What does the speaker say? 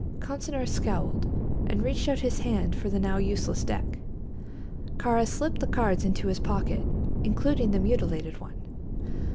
Consinor scowled and reached out his hand for the now useless deck. Kāra slipped the cards into his pocket, including the mutilated one.